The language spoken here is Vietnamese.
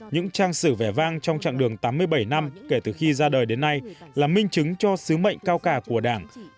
những trang sử vẻ vang trong trạng đường tám mươi bảy năm kể từ khi ra đời đến nay là minh chứng cho sứ mệnh cao cả của đảng